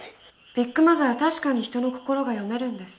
ビッグマザーは確かに人の心が読めるんです。